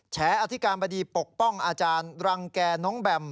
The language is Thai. แฉอธิการบดีปกป้องอาจารย์รังแก่น้องแบม